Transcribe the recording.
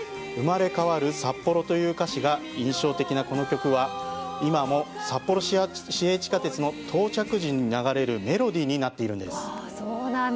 「生まれ変わるサッポロ」という歌詞が印象的なこの曲は今も札幌市営地下鉄の到着時に流れるメロディーになっているんです。